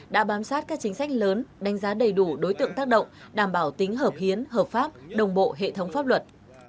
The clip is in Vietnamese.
đã bám sát các chính sách lớn đánh giá đầy đủ đối tượng tác động đảm bảo tính hợp hiến hợp pháp đồng bộ hệ thống pháp luật